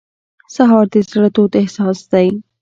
سهار د زړه تود احساس دی.